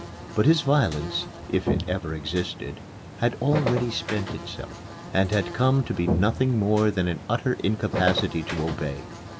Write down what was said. But his violence (if it ever existed) had already spent itself, and had come to be nothing more than an utter incapacity to obey.